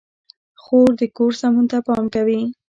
خور د کور سمون ته پام کوي.